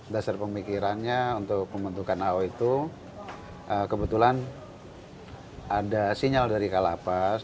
dasar pemikirannya untuk pembentukan ao itu kebetulan ada sinyal dari kalapas